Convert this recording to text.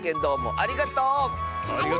ありがとう！